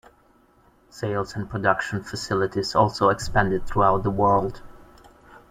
Sales and production facilities also expanded throughout the world.